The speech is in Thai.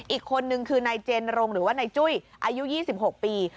อีกคนนึงคือนายเจนรงหรือว่านายจุ้ยอายุ๒๖ปี